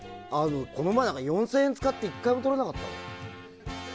この前、４０００円使って１回も取れなかった。